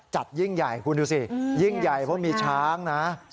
ยิ่งใหญ่คุณดูสิยิ่งใหญ่เพราะมีช้างนะ